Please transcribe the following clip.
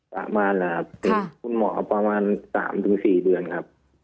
ประมาณแล้วครับเป็นคุณหมอประมาณ๓๔เดือนครับ